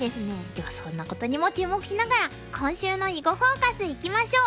ではそんなことにも注目しながら今週の「囲碁フォーカス」いきましょう！